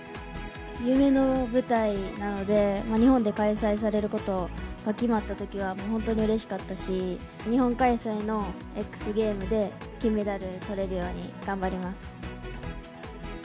夢の舞台なので、日本で開催されることが決まったときは、もう本当にうれしかったし、日本開催のＸＧａｍｅｓで金メダルとれるように頑張ります。